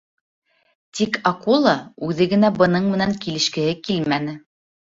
Тик акула үҙе генә бының менән килешкеһе килмәне.